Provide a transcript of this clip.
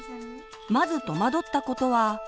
まず戸惑ったことは。